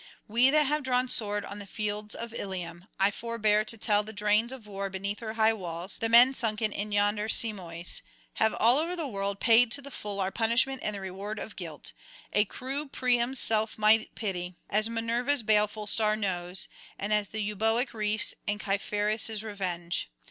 We that have drawn sword on the fields of Ilium I forbear to tell the drains of war beneath her high walls, the men sunken in yonder Simoïs have all over the world paid to the full our punishment and the reward of guilt, a crew Priam's self might pity; as Minerva's baleful star knows, and the Euboïc reefs and Caphereus' revenge.